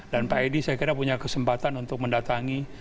dan pak edi saya kira punya kesempatan untuk mendatangi